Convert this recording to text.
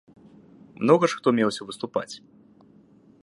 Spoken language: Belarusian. Многа ж хто меўся выступаць.